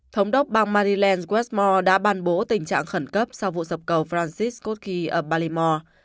thống đốc bang maryland westmore đã bàn bố tình trạng khẩn cấp sau vụ sập cầu francis cotkey ở baltimore